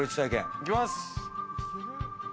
行きます。